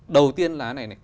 đầu tiên là